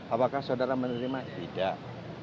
apakah saudara menerima tidak